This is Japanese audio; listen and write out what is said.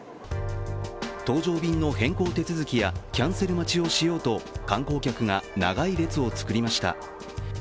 搭乗便の変更手続きやキャンセル待ちをしようと観光客が長い列を作りました。